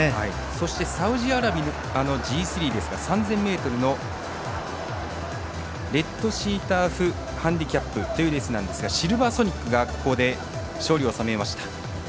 そしてサウジアラビアのＧ３ですが３０００ｍのレッドシーターフハンデキャップというレースなんですがシルヴァーソニックがここで勝利を収めました。